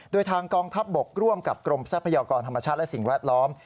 โดยทางกองทัพบกร่วมกับกรมทรัพยากรธรรมชาติและสิ่งแวดล้อม